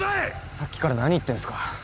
さっきから何言ってんすか。